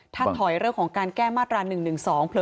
ถ้าถอยเรื่องของการแก้มาตรา๑๑๒เผลอ